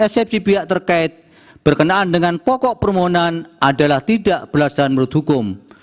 eksepsi pihak terkait berkenaan dengan pokok permohonan adalah tidak belasan menurut hukum